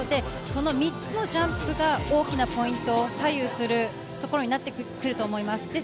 この３つのジャンプが大きなポイントを左右する所になってくると思います。